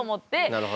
なるほど。